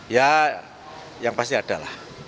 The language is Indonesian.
ya yang pasti ada lah